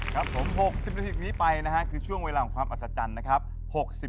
ครับผม๖๐นาทีนี้ไปนะฮะคือช่วงเวลาของความอัศจรรย์นะครับ